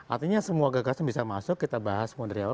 artinya semua gagasan bisa masuk kita bahas model awal